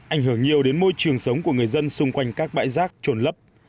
ảnh hưởng nhiều đến môi trường sống của người dân xung quanh các bãi rác trồn lấp